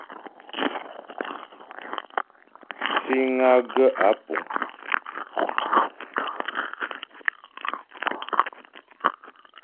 Síŋ á gaə̂ ǎ pùŋ.